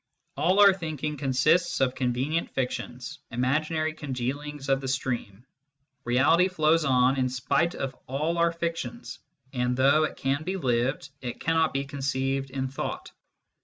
All our thinking consists of convenient fictions, imaginary congealings of the stream : reality flows on in spite of all our fictions, and though it can be lived, it cannot be conceived in thought.